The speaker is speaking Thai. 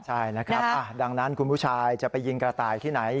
ใช่นะครับดังนั้นคุณผู้ชายจะไปยิงกระต่ายที่ไหน